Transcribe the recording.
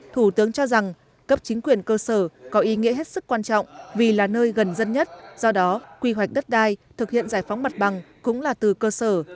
thủ tướng cho rằng cấp chính quyền cơ sở có ý nghĩa hết sức quan trọng vì là nơi gần dân nhất do đó quy hoạch đất đai thực hiện giải phóng mặt bằng cũng là từ cơ sở